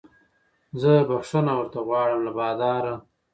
زه بخښنه ورته غواړم له باداره